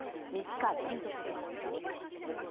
３日連続です。